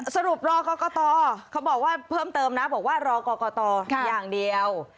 สรุปรอก็ก็ต่อเขาบอกว่าเพิ่มเติมนะบอกว่ารอก็ก็ต่ออย่างเดียว